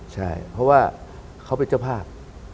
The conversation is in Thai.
ใช่เพราะว่าเขาเป็นเจ้าภาพ